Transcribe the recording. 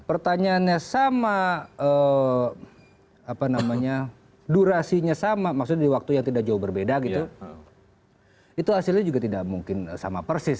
pertanyaannya sama durasinya sama maksudnya di waktu yang tidak jauh berbeda gitu itu hasilnya juga tidak mungkin sama persis